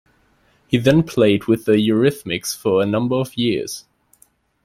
He then played with the Eurythmics for a number of years.